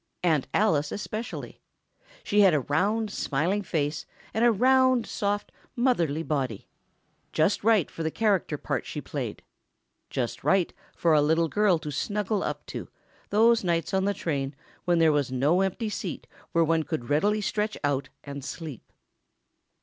Aunt Alice especially. She had a round, smiling face, and a round, soft, motherly body. Just right for the character part she played ... just right for a little girl to snuggle up to, those nights on the train when there was no empty seat where one could really stretch out and sleep.